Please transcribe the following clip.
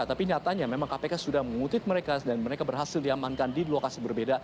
tapi nyatanya memang kpk sudah mengutip mereka dan mereka berhasil diamankan di lokasi berbeda